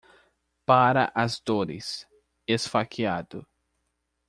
Para as dores, esfaqueado.